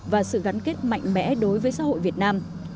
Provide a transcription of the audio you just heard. và sự gắn kết mạnh mẽ đối với xã hội việt nam